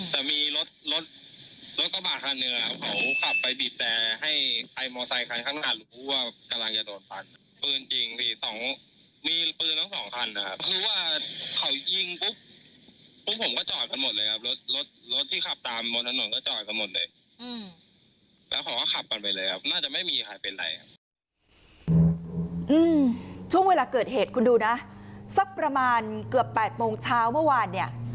ช่วงเวลาเกิดเหตุคุณดูนะสักประมาณเกือบ๘โมงเช้าเมื่อวานเนี่ย